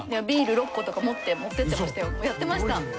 ビール６個とか持って持って行ってましたよ。